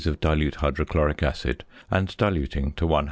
of dilute hydrochloric acid, and diluting to 100 c.